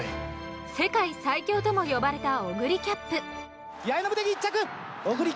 世界最強とも呼ばれたオグリキャップ。